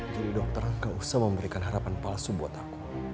jadi dokter gak usah memberikan harapan palsu buat aku